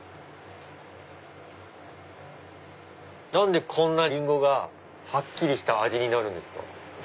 何でこんなリンゴがはっきりした味になるんですか？